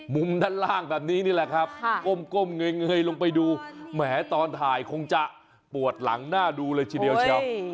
มุมด้านล่างแบบนี้นี่แหละครับก้มเงยลงไปดูแหมตอนถ่ายคงจะปวดหลังหน้าดูเลยทีเดียวเชียว